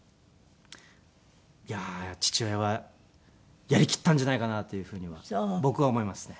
いやー父親はやりきったんじゃないかなというふうには僕は思いますね。